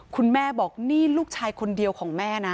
คุณแม่บอกนี่ลูกชายคนเดียวของแม่นะ